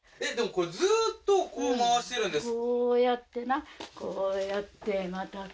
これずーっとこう回してるんですか？